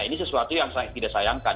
ini sesuatu yang saya tidak sayangkan